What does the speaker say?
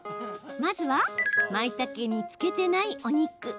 まずは、まいたけにつけていないお肉。